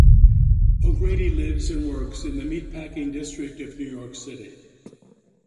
O'Grady lives and works in the Meatpacking District of New York City.